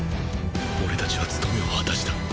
俺たちは務めを果たした。